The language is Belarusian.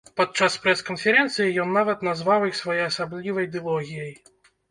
Падчас прэс-канферэнцыі ён нават назваў іх своеасаблівай дылогіяй.